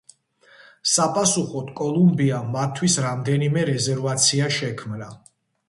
საპასუხოდ, კოლუმბიამ მათთვის რამდენიმე რეზერვაცია შექმნა.